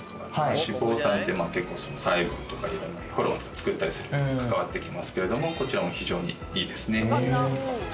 脂肪酸って細胞とかホルモンとか作ったりすることに関わってきますけれども、こちらも非常にいいですね。